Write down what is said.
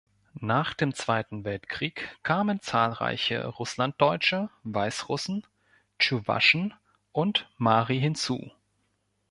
Nach dem Zweiten Weltkrieg kamen zahlreiche Russlanddeutsche, Weißrussen, Tschuwaschen und Mari hinzu.